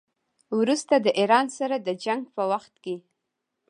وروسته د ایران سره د جنګ په وخت کې.